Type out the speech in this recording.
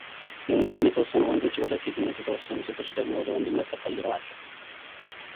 እናም የተወሰኑ ወንዶች ወደ ሴትነት የተወሰኑ ሴቶች ደግሞ ወደ ወንድነት ተቀይረዋል፡፡